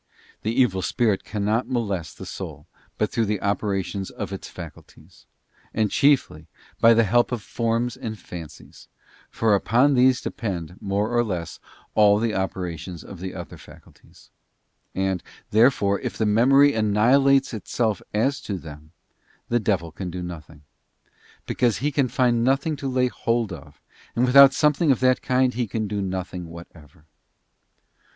The evil spirit cannot molest the soul but through the operations of its faculties, and chiefly by the help of forms and fancies: for upon these depend, more or less, all the operations of the other faculties. And, therefore, if the memory annihilates itself as to them, the * Ts, xlviii, 18. cad :* 2 ic. ie ,.:: af . 7 : HINDRANCES OF THE NATURAL MEMORY. 2i7 devil can do nothing; because he can find nothing to lay hold CHAP. of, and without something of that kind he can do nothing ~~~_ whatever.